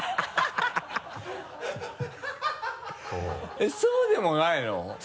えっそうでもないの？